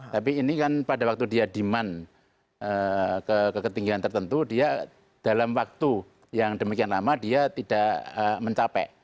tapi ini kan pada waktu dia demand ke ketinggian tertentu dia dalam waktu yang demikian lama dia tidak mencapai